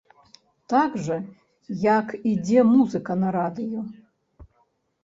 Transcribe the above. Так жа, як ідзе музыка на радыё.